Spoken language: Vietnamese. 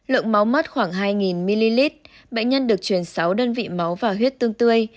lượng máu mất khoảng hai ml bệnh nhân được chuyển sáu đơn vị máu và huyết tương tươi